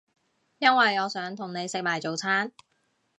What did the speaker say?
因為我想同你食埋早餐